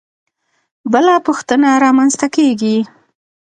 بله پوښتنه رامنځته کېږي.